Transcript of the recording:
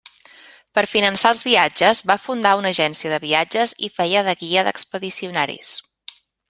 Per finançar els viatges va fundar una agència de viatges i feia de guia d'expedicionaris.